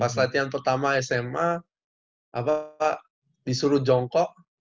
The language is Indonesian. pas latihan pertama sma disuruh jongkok